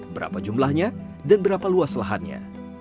berapa jumlahnya dan berapa luas lahannya